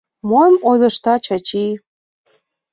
Мом ойлыштат, Чачи?..